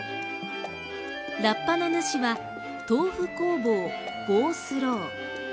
ラッパの主は、豆腐工房ゴー・スロー。